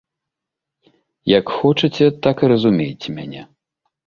Як хочаце, так і разумейце мяне.